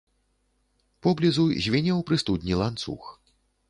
Поблізу звінеў пры студні ланцуг.